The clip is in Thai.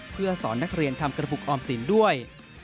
เพื่อสอนนักเรียนทำกระปุกออมสินด้วย